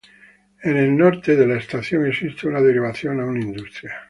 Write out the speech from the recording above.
En en norte de la estación existe una derivación a una industria.